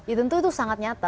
ya tentu itu sangat nyata